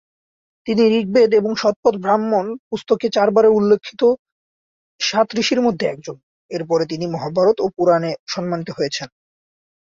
তিনি "ঋগ্বেদ" এবং "শতপথ ব্রাহ্মণ" পুস্তকে চারবার উল্লিখিত সাত ঋষির মধ্যে একজন, এরপরে তিনি "মহাভারত" এবং "পুরাণ" এ, সম্মানিত হয়েছেন।